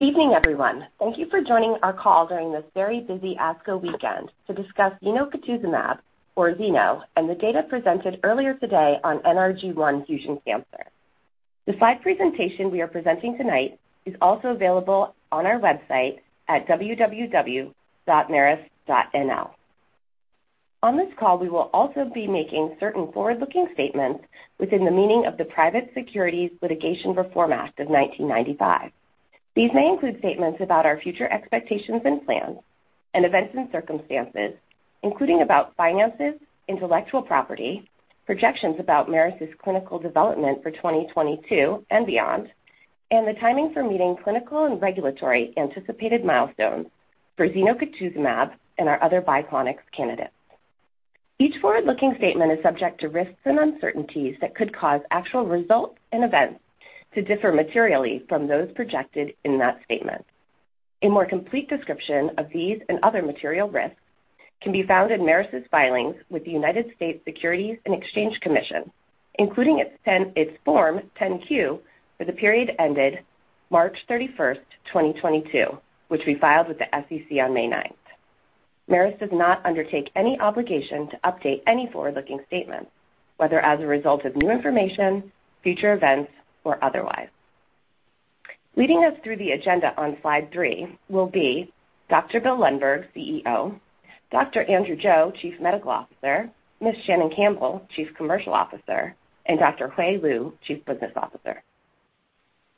Good evening, everyone. Thank you for joining our call during this very busy ASCO weekend to discuss zenocutuzumab, or Zeno, and the data presented earlier today on NRG1 fusion cancer. The slide presentation we are presenting tonight is also available on our website at www.merus.nl. On this call, we will also be making certain forward-looking statements within the meaning of the Private Securities Litigation Reform Act of 1995. These may include statements about our future expectations and plans and events and circumstances, including about finances, intellectual property, projections about Merus' clinical development for 2022 and beyond, and the timing for meeting clinical and regulatory anticipated milestones for zenocutuzumab and our other Biclonics candidates. Each forward-looking statement is subject to risks and uncertainties that could cause actual results and events to differ materially from those projected in that statement. A more complete description of these and other material risks can be found in Merus' filings with the United States Securities and Exchange Commission, including its Form 10-Q for the period ended March 31, 2022, which we filed with the SEC on May 9. Merus does not undertake any obligation to update any forward-looking statements, whether as a result of new information, future events, or otherwise. Leading us through the agenda on slide 3 will be Dr. Bill Lundberg, CEO, Dr. Andrew Joe, Chief Medical Officer, Ms. Shannon Campbell, Chief Commercial Officer, and Dr. Hui Liu, Chief Business Officer.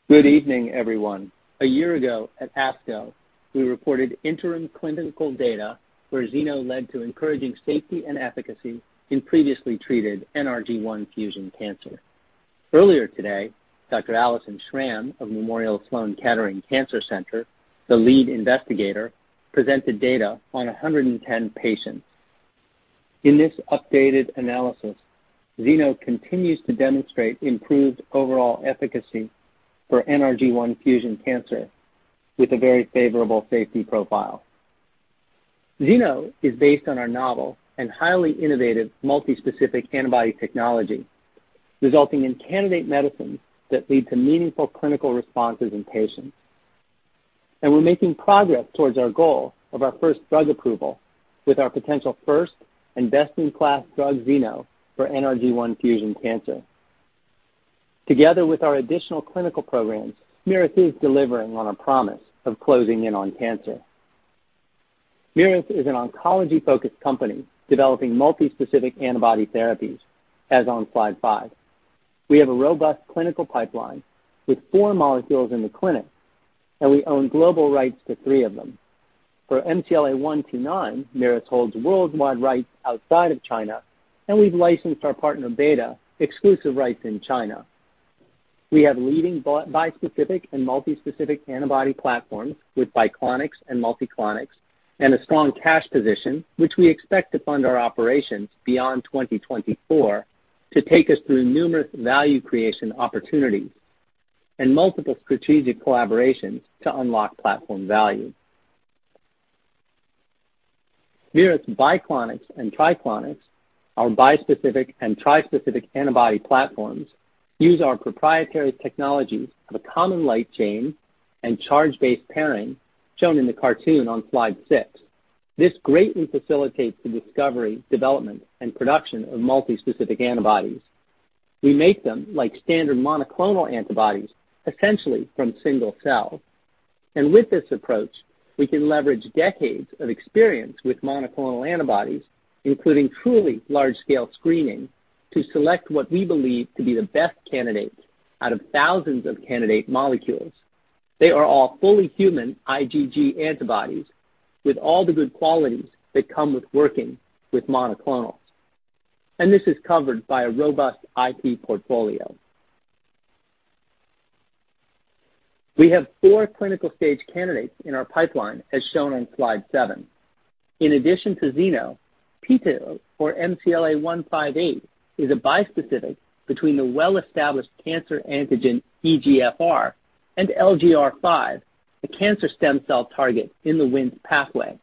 Good evening everyone. A year ago at ASCO, we reported interim clinical data where Zeno led to encouraging safety and efficacy in previously treated NRG1 fusion cancer. Earlier today, Dr. Alison Schram of Memorial Sloan Kettering Cancer Center, the lead investigator, presented data on 110 patients. In this updated analysis, Zeno continues to demonstrate improved overall efficacy for NRG1 fusion cancer with a very favorable safety profile. Zeno is based on our novel and highly innovative multi-specific antibody technology, resulting in candidate medicines that lead to meaningful clinical responses in patients. We're making progress towards our goal of our first drug approval with our potential first and best-in-class drug Zeno for NRG1 fusion cancer. Together with our additional clinical programs, Merus is delivering on a promise of closing in on cancer. Merus is an oncology-focused company developing multi-specific antibody therapies, as on slide 5. We have a robust clinical pipeline with 4 molecules in the clinic, and we own global rights to 3 of them. For MCLA-129, Merus holds worldwide rights outside of China, and we've licensed our partner Betta exclusive rights in China. We have leading bispecific and multispecific antibody platforms with Biclonics and Triclonics, and a strong cash position, which we expect to fund our operations beyond 2024 to take us through numerous value creation opportunities and multiple strategic collaborations to unlock platform value. Merus Biclonics and Triclonics, our bispecific and trispecific antibody platforms, use our proprietary technologies of a common light chain and charge-based pairing shown in the cartoon on slide 6. This greatly facilitates the discovery, development, and production of multispecific antibodies. We make them like standard monoclonal antibodies, essentially from single cells. With this approach, we can leverage decades of experience with monoclonal antibodies, including truly large-scale screening, to select what we believe to be the best candidate out of thousands of candidate molecules. They are all fully human IgG antibodies with all the good qualities that come with working with monoclonals. This is covered by a robust IP portfolio. We have 4 clinical stage candidates in our pipeline as shown on slide 7. In addition to Zeno, petosemtamab, or MCLA-158, is a bispecific between the well-established cancer antigen EGFR and LGR5, a cancer stem cell target in the WNT pathway.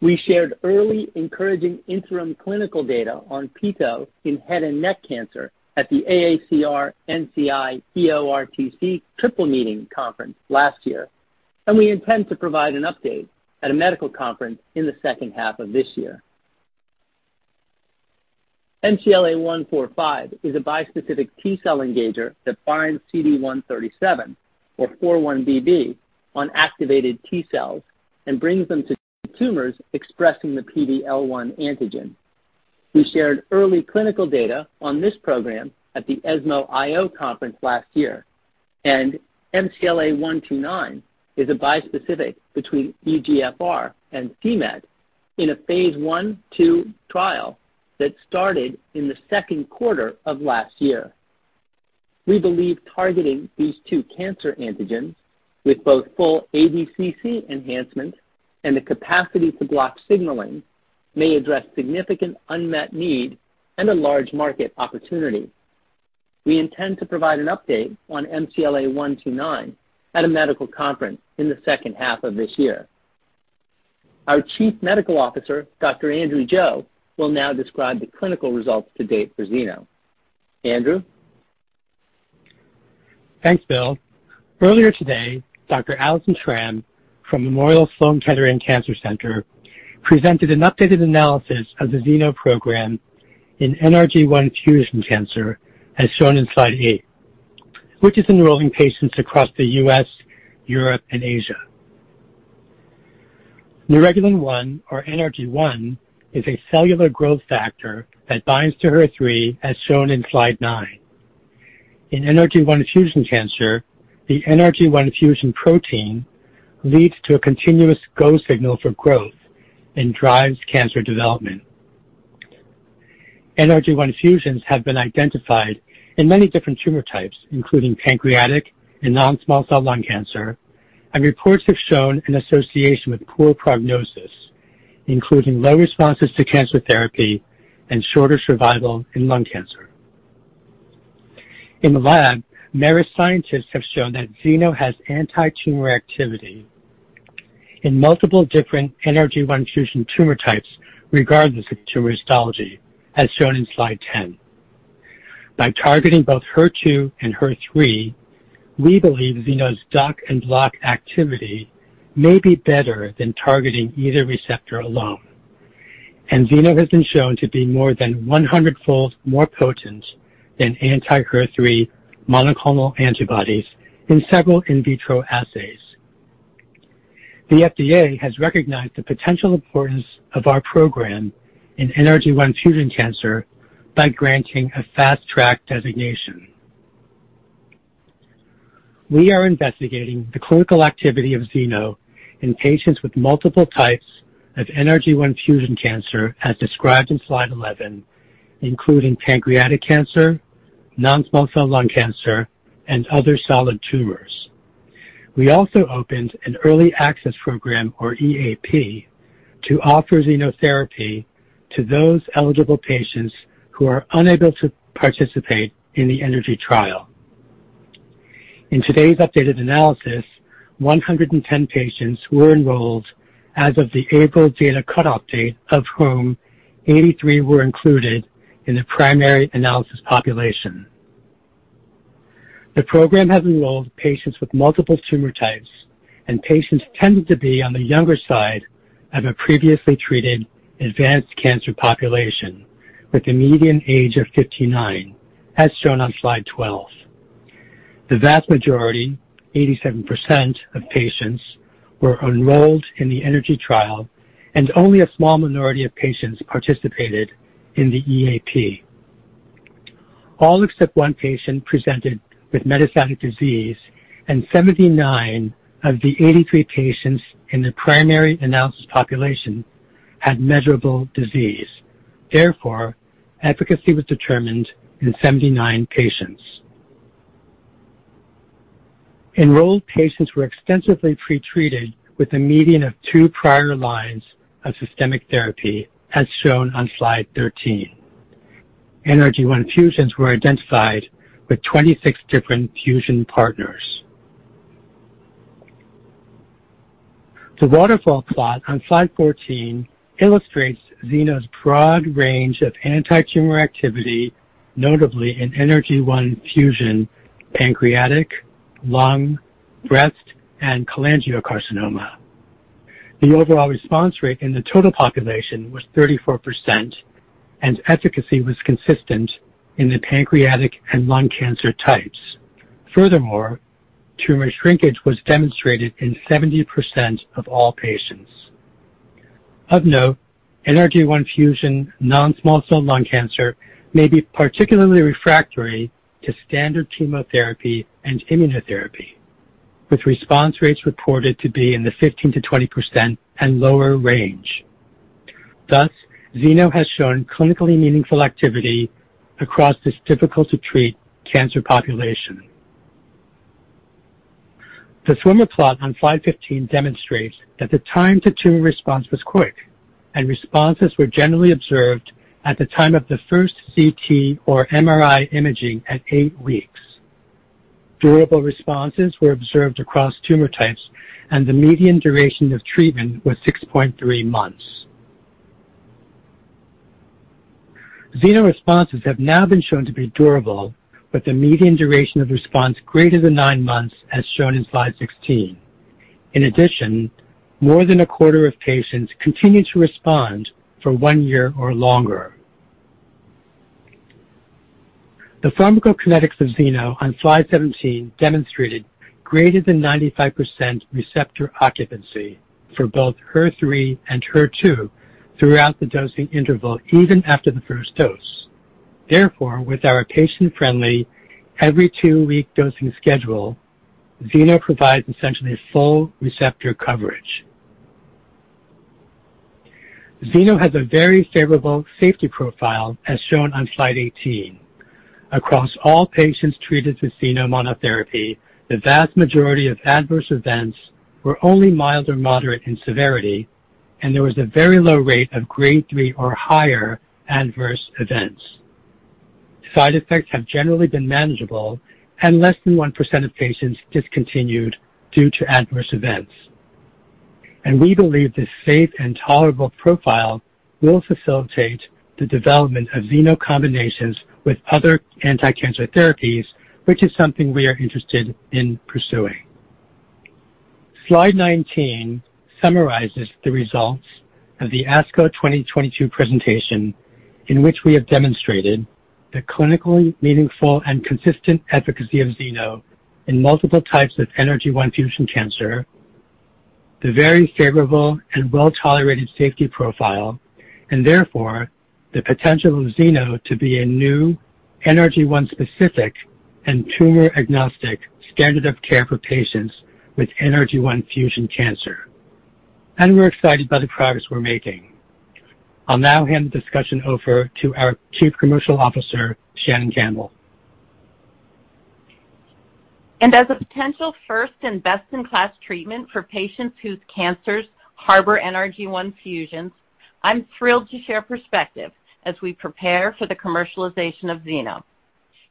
We shared early encouraging interim clinical data on petosemtamab in head and neck cancer at the AACR-NCI-EORTC triple meeting conference last year, and we intend to provide an update at a medical conference in the H2 of this year. MCLA-145 is a bispecific T-cell engager that binds CD137, or 4-1BB, on activated T-cells and brings them to tumors expressing the PD-L1 antigen. We shared early clinical data on this program at the ESMO IO conference last year, and MCLA-129 is a bispecific between EGFR and c-Met in a phase 1/2 trial that started in the Q2 of last year. We believe targeting these 2 cancer antigens with both full ADCC enhancement and the capacity to block signaling may address significant unmet need and a large market opportunity. We intend to provide an update on MCLA-129 at a medical conference in the H2 of this year. Our chief medical officer, Dr. Andrew Joe, will now describe the clinical results to date for Zeno. Andrew? Thanks, Bill. Earlier today, Dr. Alison Schram from Memorial Sloan Kettering Cancer Center presented an updated analysis of the Zeno program in NRG1 fusion cancer, as shown in slide 8, which is enrolling patients across the U.S., Europe, and Asia. Neuregulin-1, or NRG1, is a cellular growth factor that binds to HER3, as shown in slide 9. In NRG1 fusion cancer, the NRG1 fusion protein leads to a continuous go signal for growth and drives cancer development. NRG1 fusions have been identified in many different tumor types, including pancreatic and non-small cell lung cancer, and reports have shown an association with poor prognosis, including low responses to cancer therapy and shorter survival in lung cancer. In the lab, Merus scientists have shown that Zeno has antitumor activity in multiple different NRG1 fusion tumor types, regardless of tumor histology, as shown in slide 10. By targeting both HER2 and HER3, we believe Zeno's Dock & Block activity may be better than targeting either receptor alone. Zeno has been shown to be more than 100-fold more potent than anti-HER3 monoclonal antibodies in several in vitro assays. The FDA has recognized the potential importance of our program in NRG1 fusion cancer by granting a Fast Track designation. We are investigating the clinical activity of Zeno in patients with multiple types of NRG1 fusion cancer, as described in slide 11, including pancreatic cancer, non-small cell lung cancer, and other solid tumors. We also opened an early access program, or EAP, to offer Zeno therapy to those eligible patients who are unable to participate in the eNRGy trial. In today's updated analysis, 110 patients were enrolled as of the April data cut update, of whom 83 were included in the primary analysis population. The program has enrolled patients with multiple tumor types, and patients tended to be on the younger side of a previously treated advanced cancer population with a median age of 59, as shown on slide 12. The vast majority, 87% of patients, were enrolled in the eNRGy trial, and only a small minority of patients participated in the EAP. All except 1 patient presented with metastatic disease, and 79 of the 83 patients in the primary analysis population had measurable disease. Therefore, efficacy was determined in 79 patients. Enrolled patients were extensively pretreated with a median of 2 prior lines of systemic therapy, as shown on slide 13. NRG1 fusions were identified with 26 different fusion partners. The waterfall plot on slide 14 illustrates Zeno's broad range of antitumor activity, notably in NRG1 fusion pancreatic, lung, breast, and cholangiocarcinoma. The overall response rate in the total population was 34%, and efficacy was consistent in the pancreatic and lung cancer types. Furthermore, tumor shrinkage was demonstrated in 70% of all patients. Of note, NRG1 fusion non-small cell lung cancer may be particularly refractory to standard chemotherapy and immunotherapy, with response rates reported to be in the 15%-20% and lower range. Thus, Zeno has shown clinically meaningful activity across this difficult-to-treat cancer population. The swimmer plot on slide 15 demonstrates that the time to tumor response was quick, and responses were generally observed at the time of the first CT or MRI imaging at 8 weeks. Durable responses were observed across tumor types, and the median duration of treatment was 6.3 months. Zeno responses have now been shown to be durable, with the median duration of response greater than 9 months, as shown in slide 16. In addition, more than a quarter of patients continue to respond for 1 year or longer. The pharmacokinetics of Zeno on slide 17 demonstrated greater than 95% receptor occupancy for both HER3 and HER2 throughout the dosing interval, even after the first dose. Therefore, with our patient-friendly every 2-week dosing schedule, Zeno provides essentially full receptor coverage. Zeno has a very favorable safety profile, as shown on slide 18. Across all patients treated with Zeno monotherapy, the vast majority of adverse events were only mild or moderate in severity, and there was a very low rate of grade 3 or higher adverse events. Side effects have generally been manageable and less than 1% of patients discontinued due to adverse events. We believe this safe and tolerable profile will facilitate the development of Zeno combinations with other anticancer therapies, which is something we are interested in pursuing. Slide 19 summarizes the results of the ASCO 2022 presentation, in which we have demonstrated the clinically meaningful and consistent efficacy of Zeno in multiple types of NRG1 fusion cancer, the very favorable and well-tolerated safety profile, and therefore the potential of Zeno to be a new NRG1 specific and tumor-agnostic standard of care for patients with NRG1 fusion cancer. We're excited by the progress we're making. I'll now hand the discussion over to our Chief Commercial Officer, Shannon Campbell. As a potential first and best-in-class treatment for patients whose cancers harbor NRG1 fusions, I'm thrilled to share perspective as we prepare for the commercialization of Zeno.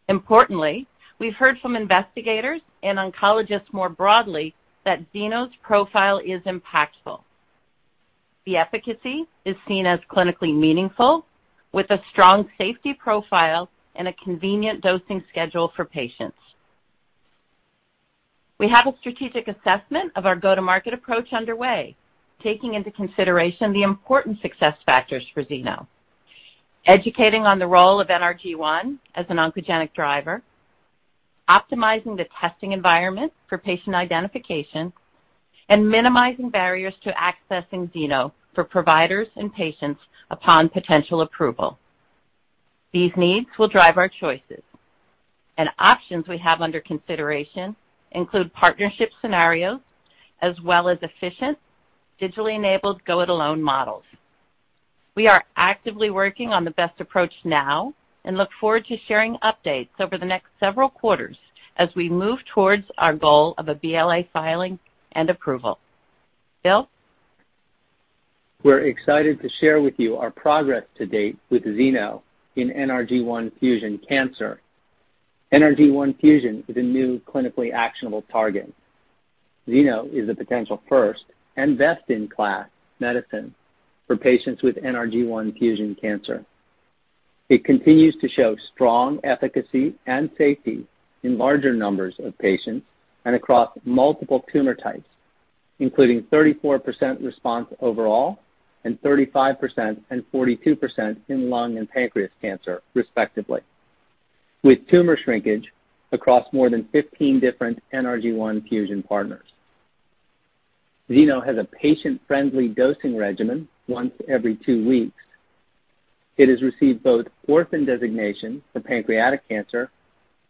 Importantly, we've heard from investigators and oncologists more broadly that Zeno's profile is impactful. The efficacy is seen as clinically meaningful, with a strong safety profile and a convenient dosing schedule for patients. We have a strategic assessment of our go-to-market approach underway, taking into consideration the important success factors for Zeno. Educating on the role of NRG1 as an oncogenic driver, optimizing the testing environment for patient identification, and minimizing barriers to accessing Zeno for providers and patients upon potential approval. These needs will drive our choices. Options we have under consideration include partnership scenarios as well as efficient, digitally enabled go-it-alone models. We are actively working on the best approach now and look forward to sharing updates over the next several quarters as we move towards our goal of a BLA filing and approval. Bill? We're excited to share with you our progress to date with Zeno in NRG1 fusion cancer. NRG1 fusion is a new clinically actionable target. Zeno is a potential first and best-in-class medicine for patients with NRG1 fusion cancer. It continues to show strong efficacy and safety in larger numbers of patients and across multiple tumor types, including 34% response overall and 35% and 42% in lung and pancreatic cancer, respectively, with tumor shrinkage across more than 15 different NRG1 fusion partners. Zeno has a patient-friendly dosing regimen once every 2 weeks. It has received both Orphan Drug Designation for pancreatic cancer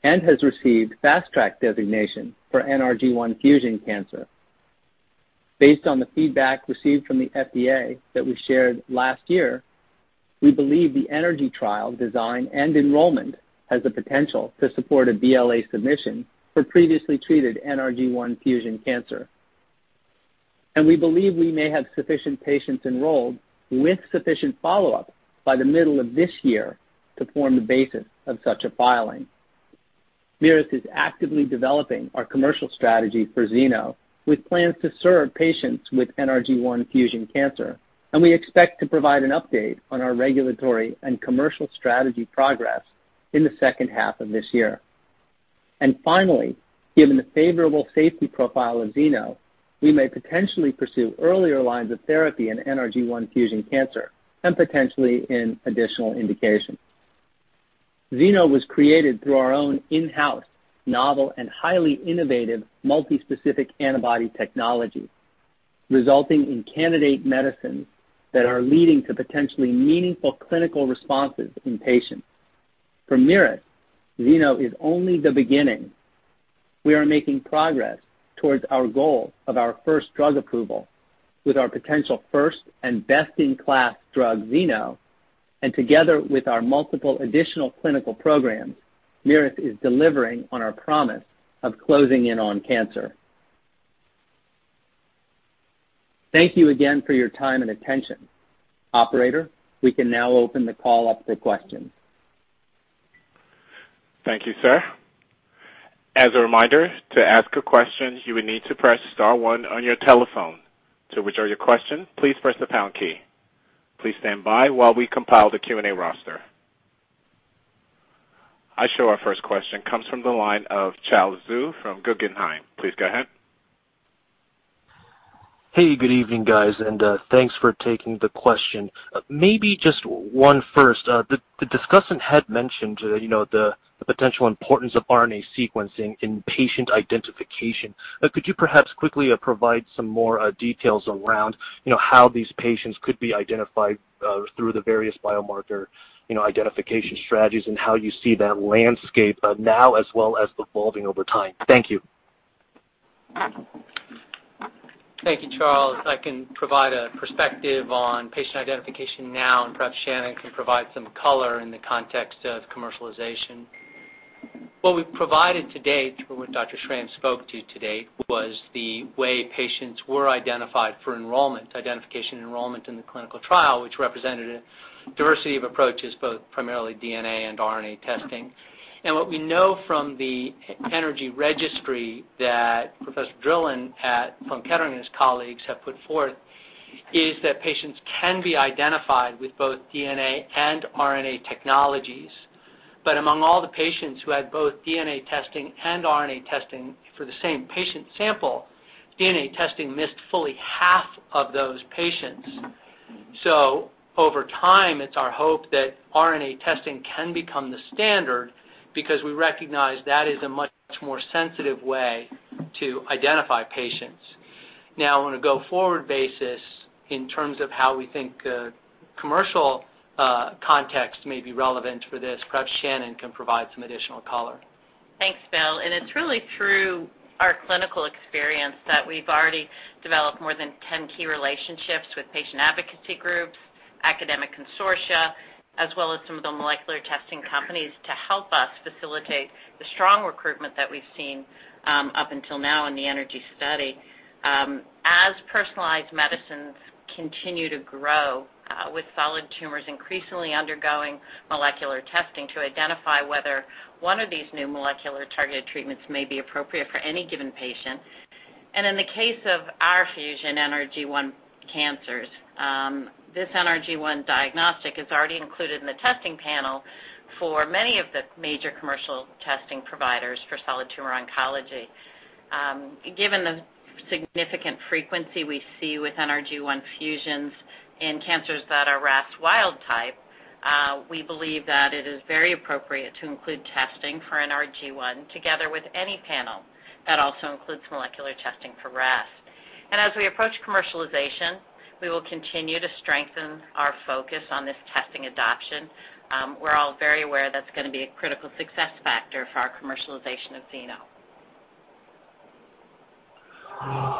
and has received Fast Track Designation for NRG1 fusion cancer. Based on the feedback received from the FDA that we shared last year, we believe the eNRGy trial design and enrollment has the potential to support a BLA submission for previously treated NRG1 fusion cancer. We believe we may have sufficient patients enrolled with sufficient follow-up by the middle of this year to form the basis of such a filing. Merus is actively developing our commercial strategy for Zeno, with plans to serve patients with NRG1 fusion cancer. We expect to provide an update on our regulatory and commercial strategy progress in the H2 of this year. Finally, given the favorable safety profile of Zeno, we may potentially pursue earlier lines of therapy in NRG1 fusion cancer and potentially in additional indications. Zeno was created through our own in-house novel and highly innovative multispecific antibody technology, resulting in candidate medicines that are leading to potentially meaningful clinical responses in patients. For Merus, Zeno is only the beginning. We are making progress towards our goal of our first drug approval with our potential first and best-in-class drug, Zeno. Together with our multiple additional clinical programs, Merus is delivering on our promise of closing in on cancer. Thank you again for your time and attention. Operator, we can now open the call up for questions. Thank you, sir. As a reminder, to ask a question, you would need to press star 1 on your telephone. To withdraw your question, please press the pound key. Please stand by while we compile the Q&A roster. I show our first question comes from the line of Charles Zhu from Guggenheim. Please go ahead. Hey, good evening, guys, and thanks for taking the question. Maybe just 1 first. The discussant had mentioned, you know, the potential importance of RNA sequencing in patient identification. Could you perhaps quickly provide some more details around, you know, how these patients could be identified through the various biomarker, you know, identification strategies and how you see that landscape now as well as evolving over time? Thank you. Thank you, Charles. I can provide a perspective on patient identification now, and perhaps Shannon can provide some color in the context of commercialization. What we've provided to date, or what Dr. Schram spoke to today, was the way patients were identified for enrollment in the clinical trial, which represented a diversity of approaches, both primarily DNA and RNA testing. What we know from the eNRGy registry that Professor Drilon.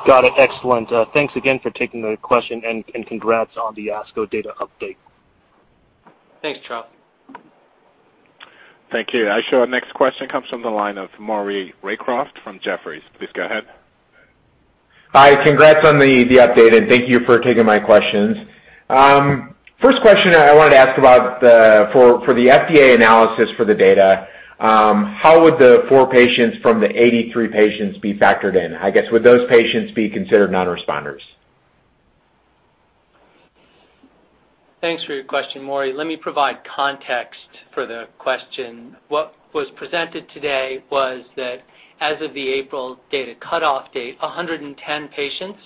Got it. Excellent. Thanks again for taking the question and congrats on the ASCO data update. Thanks, Charles. Thank you. Our next question comes from the line of Maury Raycroft from Jefferies. Please go ahead. Hi. Congrats on the update, and thank you for taking my questions. First question I wanted to ask about for the FDA analysis for the data, how would the 4 patients from the 83 patients be factored in? I guess, would those patients be considered non-responders? Thanks for your question, Maury. Let me provide context for the question. What was presented today was that as of the April data cutoff date, 110 patients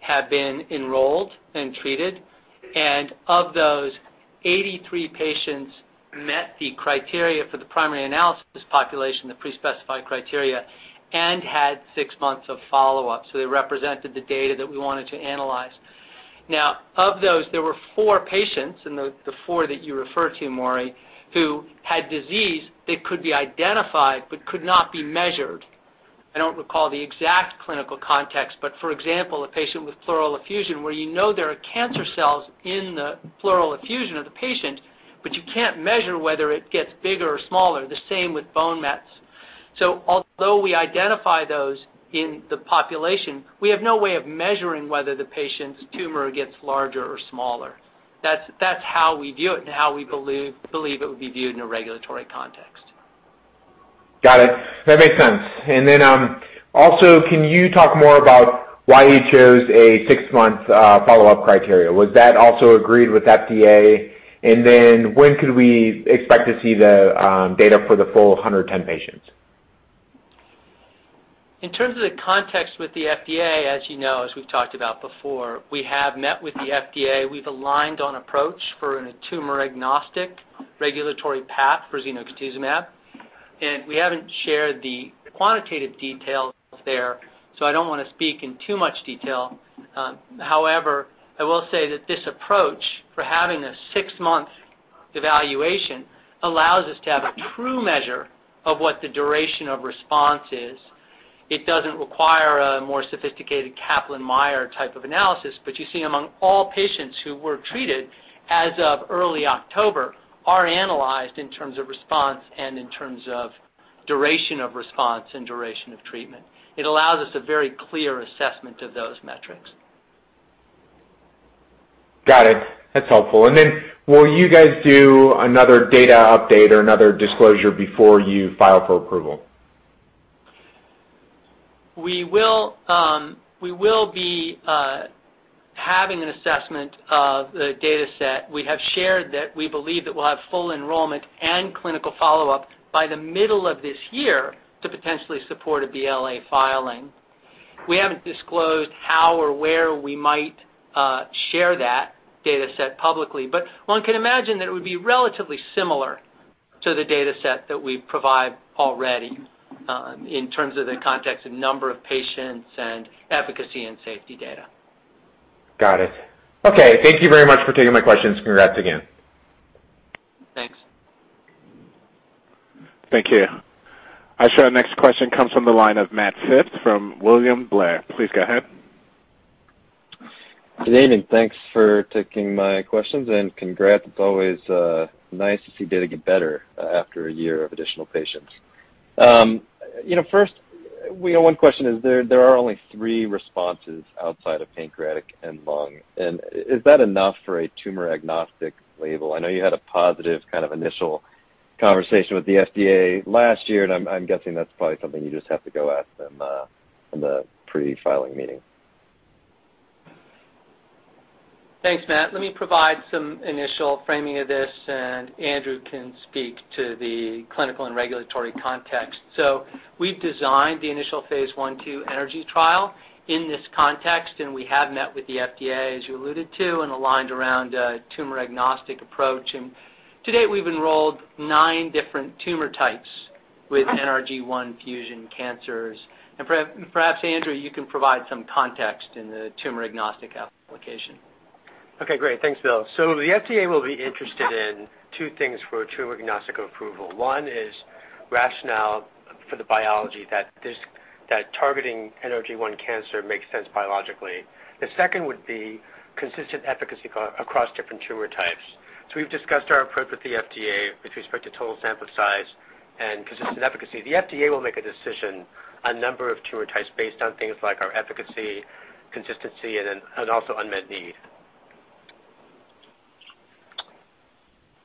have been enrolled and treated, and of those, 83 patients met the criteria for the primary analysis population, the pre-specified criteria, and had 6 months of follow-up. They represented the data that we wanted to analyze. Now, of those, there were 4 patients, and the 4 that you refer to Maury, who had disease that could be identified but could not be measured. I don't recall the exact clinical context, but for example, a patient with pleural effusion where you know there are cancer cells in the pleural effusion of the patient, but you can't measure whether it gets bigger or smaller. The same with bone mets. Although we identify those in the population, we have no way of measuring whether the patient's tumor gets larger or smaller. That's how we view it, and how we believe it would be viewed in a regulatory context. Got it. That makes sense. Also, can you talk more about why you chose a 6-month follow-up criteria? Was that also agreed with FDA? When could we expect to see the data for the full 110 patients? In terms of the context with the FDA, as you know, as we've talked about before, we have met with the FDA. We've aligned on approach for a tumor-agnostic regulatory path for zenocutuzumab. We haven't shared the quantitative details there, so I don't wanna speak in too much detail. However, I will say that this approach for having a 6-month evaluation allows us to have a true measure of what the duration of response is. It doesn't require a more sophisticated Kaplan-Meier type of analysis, but you see among all patients who were treated as of early October are analyzed in terms of response and in terms of duration of response and duration of treatment. It allows us a very clear assessment of those metrics. Got it. That's helpful. Will you guys do another data update or another disclosure before you file for approval? We will be having an assessment of the dataset. We have shared that we believe that we'll have full enrollment and clinical follow-up by the middle of this year to potentially support a BLA filing. We haven't disclosed how or where we might share that dataset publicly, but one can imagine that it would be relatively similar to the dataset that we provide already, in terms of the context of number of patients and efficacy and safety data. Got it. Okay. Thank you very much for taking my questions. Congrats again. Thanks. Thank you. Our next question comes from the line of Matt Phipps from William Blair. Please go ahead. Good evening. Thanks for taking my questions, and congrats. It's always nice to see data get better after a year of additional patients. You know, first, 1 question is there are only 3 responses outside of pancreatic and lung. Is that enough for a tumor-agnostic label? I know you had a positive kind of initial conversation with the FDA last year, and I'm guessing that's probably something you just have to go ask them in the pre-filing meeting. Thanks, Matt. Let me provide some initial framing of this, and Andrew can speak to the clinical and regulatory context. We've designed the initial phase 1/2 eNRGy trial in this context, and we have met with the FDA, as you alluded to, and aligned around a tumor-agnostic approach. To date, we've enrolled 9 different tumor types with NRG1 fusion cancers. Perhaps, Andrew, you can provide some context in the tumor-agnostic application. Okay, great. Thanks, Bill. The FDA will be interested in 2 things for a tumor-agnostic approval. One is rationale for the biology that targeting NRG1 cancer makes sense biologically. The second would be consistent efficacy across different tumor types. We've discussed our approach with the FDA with respect to total sample size and consistent efficacy. The FDA will make a decision on number of tumor types based on things like our efficacy, consistency, and also unmet need.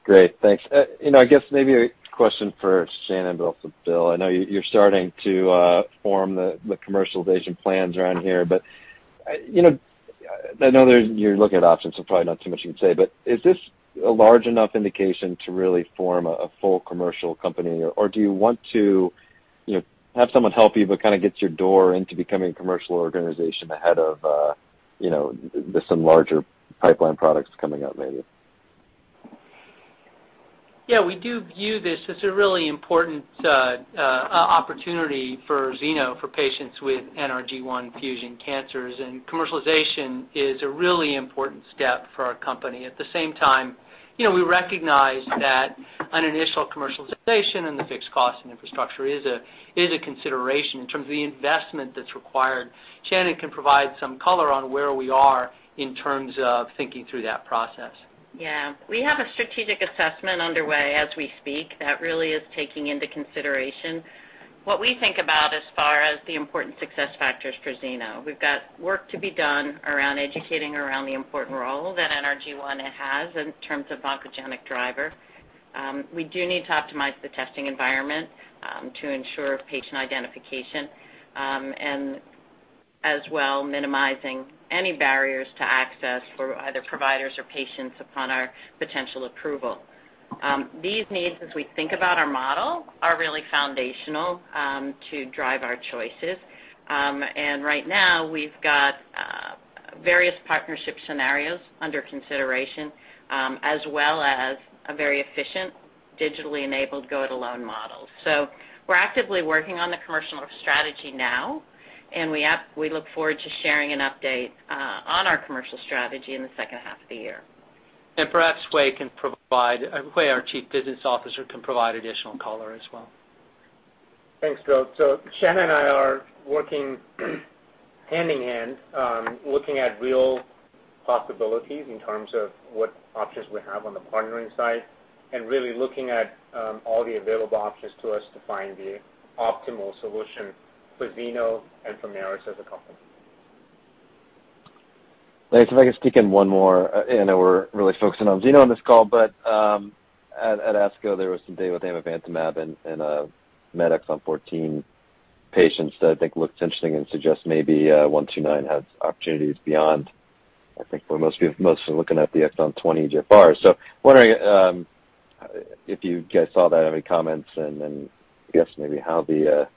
Great. Thanks. You know, I guess maybe a question for Shannon, but also Bill. I know you're starting to form the commercialization plans around here. You know, I know there's, you're looking at options, so probably not too much you can say, but is this a large enough indication to really form a full commercial company? Or do you want to, you know, have someone help you, but kind of get your foot in the door to becoming a commercial organization ahead of, you know, then some larger pipeline products coming out later? Yeah, we do view this as a really important opportunity for Zeno for patients with NRG1 fusion cancers, and commercialization is a really important step for our company. At the same time, you know, we recognize that an initial commercialization and the fixed cost and infrastructure is a consideration in terms of the investment that's required. Shannon can provide some color on where we are in terms of thinking through that process. Yeah. We have a strategic assessment underway as we speak that really is taking into consideration what we think about as far as the important success factors for Zeno. We've got work to be done around educating the important role that NRG1 has in terms of oncogenic driver. We do need to optimize the testing environment to ensure patient identification, and as well, minimizing any barriers to access for either providers or patients upon our potential approval. These needs, as we think about our model, are really foundational to drive our choices. Right now, we've got various partnership scenarios under consideration, as well as a very efficient digitally enabled go-it-alone model. We're actively working on the commercial strategy now, and we look forward to sharing an update on our commercial strategy in the H2 of the year. Perhaps Hui Liu, our Chief Business Officer, can provide additional color as well. Thanks, Bill. Shannon and I are working hand-in-hand, looking at real possibilities in terms of what options we have on the partnering side and really looking at all the available options to us to find the optimal solution for Zeno and for Merus as a company. Thanks. If I could stick in 1 more. I know we're really focusing on Zeno on this call, but at ASCO, there was some data with amivantamab and METex14 on 14 patients that I think looks interesting and suggests maybe MCLA-129 has opportunities beyond, I think, what most are looking at the exon 20 EGFR. Wondering if you guys saw that, any comments, and then I guess maybe how the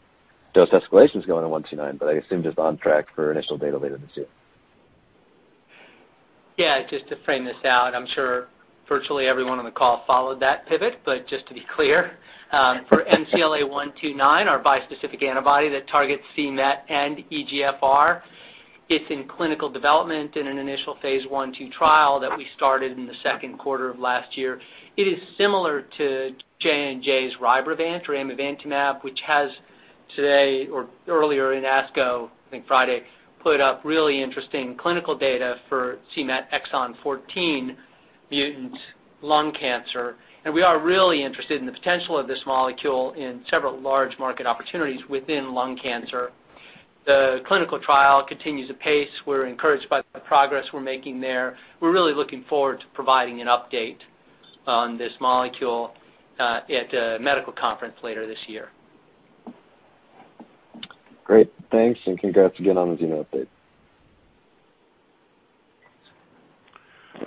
dose escalation is going in MCLA-129, but I assume just on track for initial data later this year. Yeah, just to frame this out, I'm sure virtually everyone on the call followed that pivot, but just to be clear, for MCLA-129, our bispecific antibody that targets c-Met and EGFR, it's in clinical development in an initial phase 1/2 trial that we started in the Q2 of last year. It is similar to J&J's Rybrevant or amivantamab, which has today or earlier in ASCO, I think Friday, put up really interesting clinical data for c-Met exon 14 mutant lung cancer. We are really interested in the potential of this molecule in several large market opportunities within lung cancer. The clinical trial continues apace. We're really looking forward to providing an update on this molecule at a medical conference later this year. Great. Thanks, and congrats again on the Zeno update.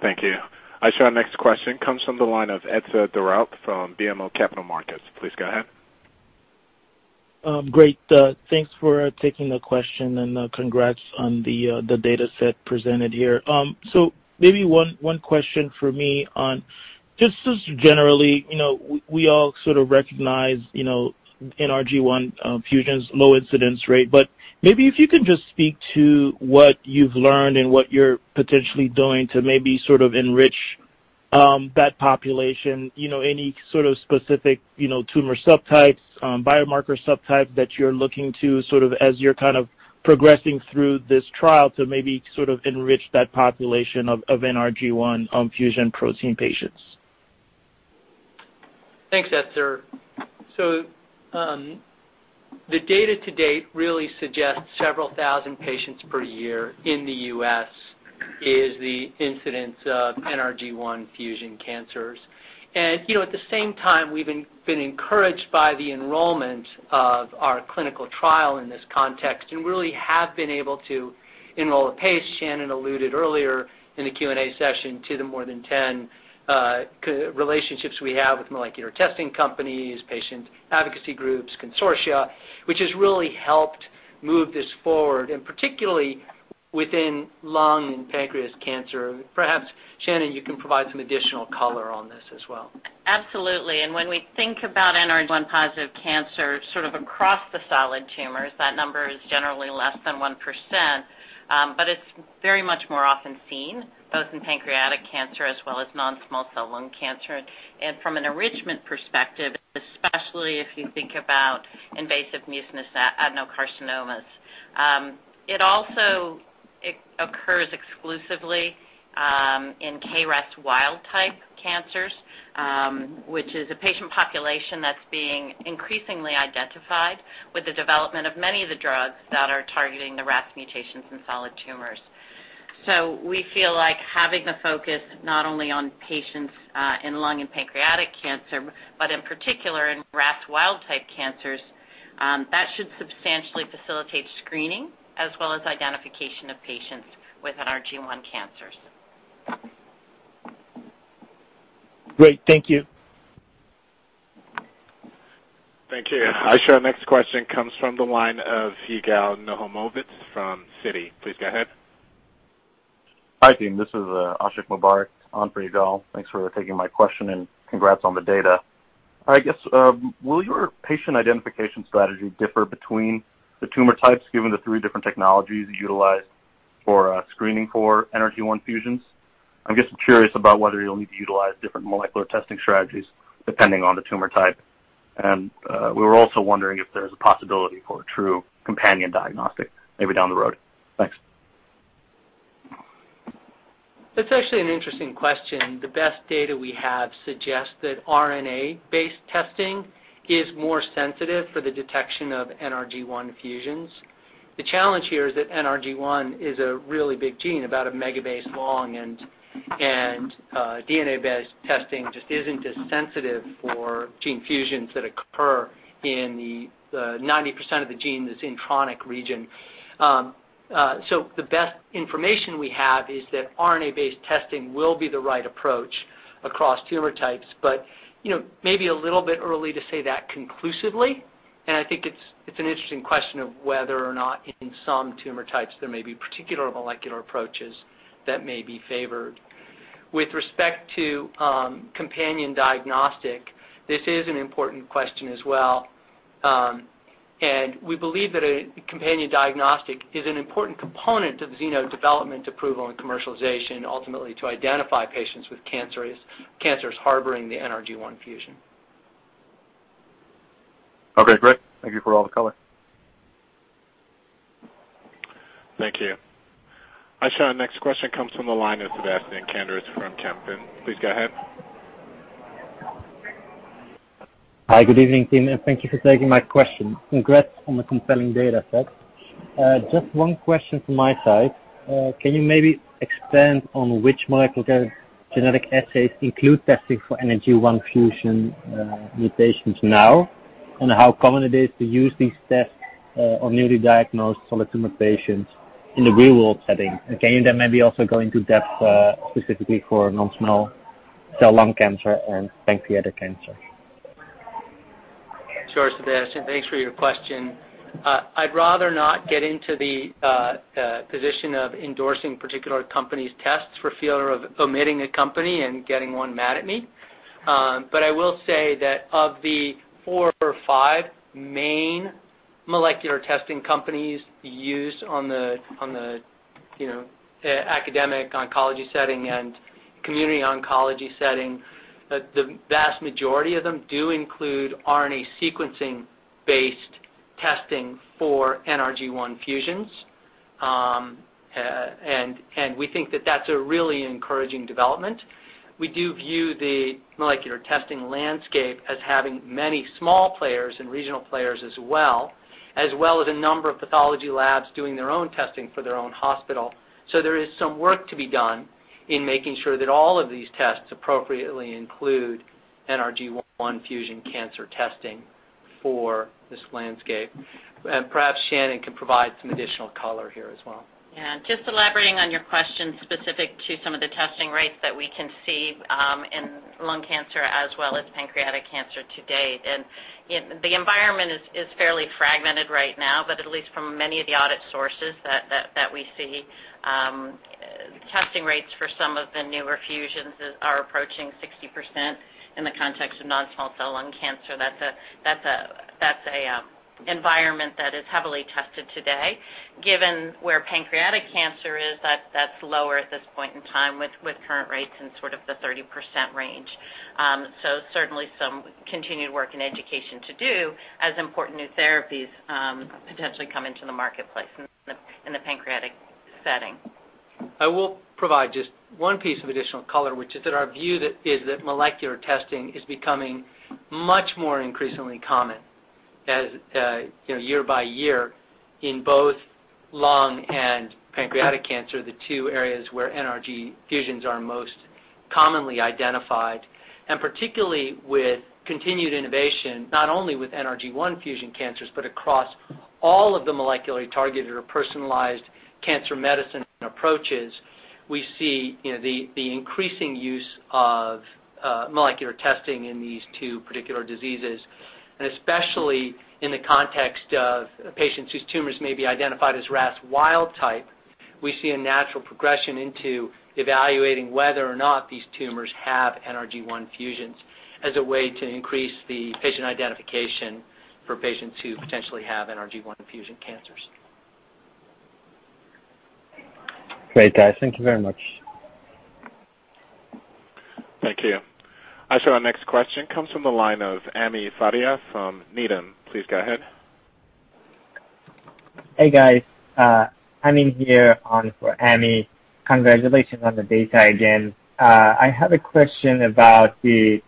Thank you. Our next question comes from the line of Tazeen Ahmad from BMO Capital Markets. Please go ahead. Great. Thanks for taking the question, and congrats on the data set presented here. Maybe 1 question for me on just generally, you know, we all sort of recognize, you know, NRG1 fusion's low incidence rate. Maybe if you could just speak to what you've learned and what you're potentially doing to maybe sort of enrich that population, you know, any sort of specific, you know, tumor subtypes, biomarker subtype that you're looking to sort of as you're kind of progressing through this trial to maybe sort of enrich that population of NRG1 fusion protein patients. Thanks, Tazeen Ahmad. The data to date really suggests several thousand patients per year in the U.S. is the incidence of NRG1 fusion cancers. You know, at the same time, we've been encouraged by the enrollment of our clinical trial in this context, and really have been able to enroll at a pace. Shannon alluded earlier in the Q&A session to the more than 10 key relationships we have with molecular testing companies, patient advocacy groups, consortia, which has really helped move this forward, and particularly within lung and pancreatic cancer. Perhaps, Shannon, you can provide some additional color on this as well. Absolutely. When we think about NRG1-positive cancer sort of across the solid tumors, that number is generally less than 1%. It's very much more often seen both in pancreatic cancer as well as non-small cell lung cancer. From an enrichment perspective, especially if you think about invasive mucinous adenocarcinoma. It also occurs exclusively in K-RAS wild-type cancers, which is a patient population that's being increasingly identified with the development of many of the drugs that are targeting the RAS mutations in solid tumors. We feel like having the focus not only on patients in lung and pancreatic cancer, but in particular in RAS wild-type cancers, that should substantially facilitate screening as well as identification of patients with NRG1 cancers. Great. Thank you. Thank you. Aisha, next question comes from the line of Yigal Nochomovitz from Citi. Please go ahead. Hi, team. This is Aisha Mubarik on for Yigal. Thanks for taking my question, and congrats on the data. I guess will your patient identification strategy differ between the tumor types given the 3 different technologies utilized for screening for NRG1 fusions? I'm just curious about whether you'll need to utilize different molecular testing strategies depending on the tumor type. We were also wondering if there's a possibility for true companion diagnostic maybe down the road. Thanks. That's actually an interesting question. The best data we have suggests that RNA-based testing is more sensitive for the detection of NRG1 fusions. The challenge here is that NRG1 is a really big gene, about a megabase long, and DNA-based testing just isn't as sensitive for gene fusions that occur in the 90% of the gene, this intronic region. The best information we have is that RNA-based testing will be the right approach across tumor types. You know, maybe a little bit early to say that conclusively, and I think it's an interesting question of whether or not in some tumor types there may be particular molecular approaches that may be favoured. With respect to companion diagnostic, this is an important question as well. We believe that a companion diagnostic is an important component of the Zeno development approval and commercialization ultimately to identify patients with cancers harboring the NRG1 fusion. Okay, great. Thank you for all the color. Thank you. Aisha, next question comes from the line of Stefan Gnaedinger from Vontobel. Please go ahead. Hi. Good evening, team, and thank you for taking my question. Congrats on the compelling data set. Just 1 question from my side. Can you maybe expand on which molecular genetic assays include testing for NRG1 fusion mutations now, and how common it is to use these tests on newly diagnosed solid tumor patients in the real-world setting? Can you then maybe also go into depth specifically for non-small cell lung cancer and pancreatic cancer? Sure, Stefan. Thanks for your question. I'd rather not get into the position of endorsing particular company's tests for fear of omitting a company and getting 1 mad at me. I will say that of the 4 or 5 main molecular testing companies used on the you know academic oncology setting and community oncology setting, the vast majority of them do include RNA sequencing-based testing for NRG1 fusions. We think that that's a really encouraging development. We do view the molecular testing landscape as having many small players and regional players as well as a number of pathology labs doing their own testing for their own hospital. There is some work to be done in making sure that all of these tests appropriately include NRG1 fusion cancer testing for this landscape. Perhaps Shannon can provide some additional color here as well. Yeah. Just elaborating on your question specific to some of the testing rates that we can see in lung cancer as well as pancreatic cancer to date. The environment is fairly fragmented right now, but at least from many of the our data sources that we see, testing rates for some of the newer fusions are approaching 50%-60% in the context of non-small cell lung cancer. That's an environment that is heavily tested today. Given where pancreatic cancer is, that's lower at this point in time with current rates in sort of the 30% range. Certainly some continued work and education to do as important new therapies potentially come into the marketplace in the pancreatic setting. I will provide just 1 piece of additional color, which is that our view is that molecular testing is becoming much more increasingly common as, you know, year by year in both lung and pancreatic cancer, the 2 areas where NRG1 fusions are most commonly identified. Particularly with continued innovation, not only with NRG1 fusion cancers, but across all of the molecularly targeted or personalized cancer medicine approaches, we see, you know, the increasing use of molecular testing in these 2 particular diseases. Especially in the context of patients whose tumors may be identified as RAS wild type, we see a natural progression into evaluating whether or not these tumors have NRG1 fusions as a way to increase the patient identification for patients who potentially have NRG1 fusion cancers. Great, guys. Thank you very much. Thank you. Our next question comes from the line of Ami Fadia from Needham. Please go ahead. Hey, guys. Ami here on for Ami. Congratulations on the data again. I have a question about the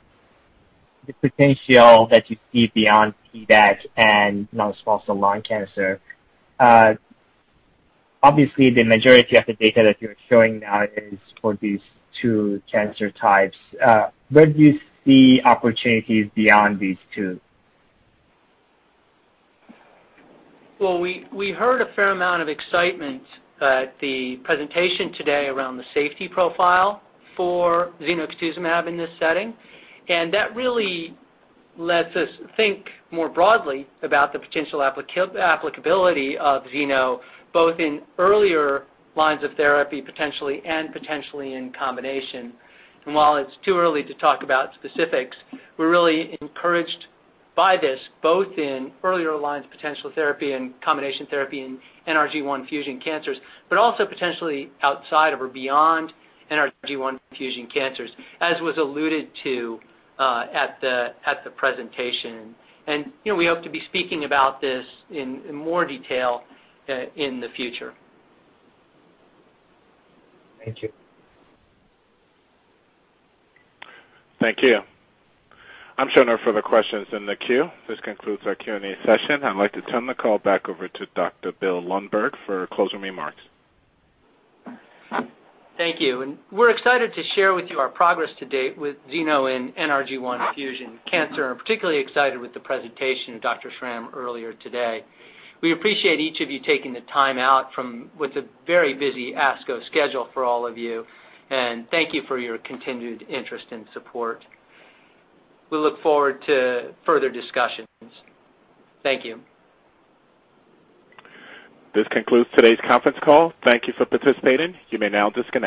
potential that you see beyond PDAC and non-small cell lung cancer. Obviously, the majority of the data that you're showing now is for these 2 cancer types. Where do you see opportunities beyond these 2? Well, we heard a fair amount of excitement at the presentation today around the safety profile for zenocutuzumab in this setting, and that really lets us think more broadly about the potential applicability of Zeno, both in earlier lines of therapy, potentially and potentially in combination. While it's too early to talk about specifics, we're really encouraged by this, both in earlier lines of potential therapy and combination therapy in NRG1 fusion cancers, but also potentially outside of or beyond NRG1 fusion cancers, as was alluded to at the presentation. You know, we hope to be speaking about this in more detail in the future. Thank you. Thank you. I'm showing no further questions in the queue. This concludes our Q&A session. I'd like to turn the call back over to Dr. Bill Lundberg for closing remarks. Thank you. We're excited to share with you our progress to date with Zeno in NRG1 fusion cancer. I'm particularly excited with the presentation of Dr. Schram earlier today. We appreciate each of you taking the time out from a very busy ASCO schedule for all of you. Thank you for your continued interest and support. We look forward to further discussions. Thank you. This concludes today's conference call. Thank you for participating. You may now disconnect.